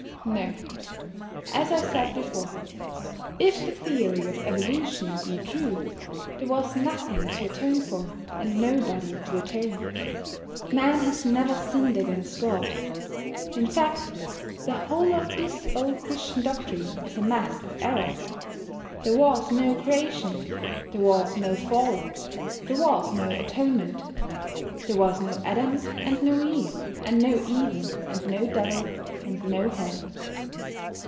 No. As I said before, if the theory of evolution be true, there was nothing to atone for, and nobody to atone. Man has never sinned against God. In fact, the whole of this old Christian doctrine is a mass of error. There was no creation. There was no Fall. There was no Atonement. There was no Adam, and no Eve, and no Eden, and no Devil, and no Hell.